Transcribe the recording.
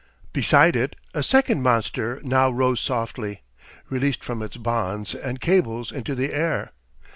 Beside it a second monster now rose softly, released from its bonds and cables into the air.